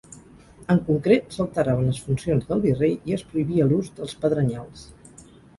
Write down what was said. En concret s'alteraven les funcions del virrei i es prohibia l'ús dels pedrenyals.